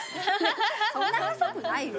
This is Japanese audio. そんなうるさくないよ。